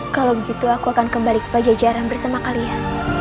kalau begitu aku akan kembali ke pajajaran bersama kalian